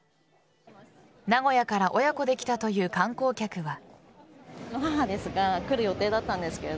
名古屋から親子で来たという観光客は。